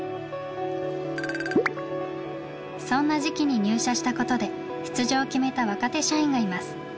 そんな時期に入社したことで出場を決めた若手社員がいます。